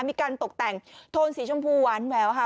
มีการตกแต่งโทนสีชมพูหวานแหววค่ะ